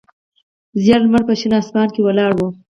زیړ لمر په شین اسمان کې ولاړ و.